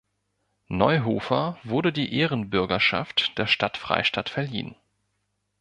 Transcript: Neuhofer wurde die Ehrenbürgerschaft der Stadt Freistadt verliehen.